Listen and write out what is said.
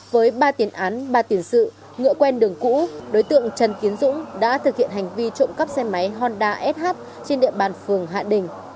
với ba tiền án ba tiền sự ngựa quen đường cũ đối tượng trần tiến dũng đã thực hiện hành vi trộm cắp xe máy honda sh trên địa bàn phường hạ đình